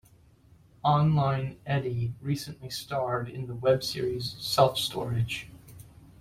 Online Eddie recently starred in the web-series Self-Storage.